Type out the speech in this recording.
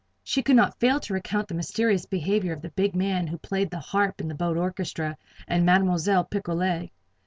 She could not fail to recount the mysterious behavior of the big man who played the harp in the boat orchestra, and Mademoiselle Picolet.